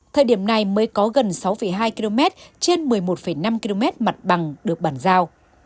thời điểm này mới có gần sáu hai km trên một mươi một năm km mặt bằng được bản giao